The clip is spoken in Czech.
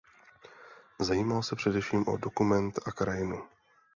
Zajímal se především o dokument a krajinu.